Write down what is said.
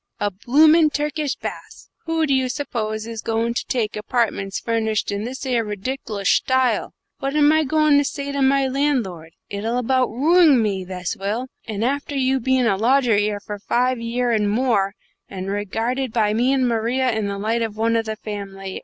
A bloomin' Turkish baths! Who do you suppose is goin' to take apartments furnished in this 'ere ridic'loush style? What am I goin' to say to my landlord? It'll about ruing me, this will; and after you bein' a lodger 'ere for five year and more, and regarded by me and Maria in the light of one of the family.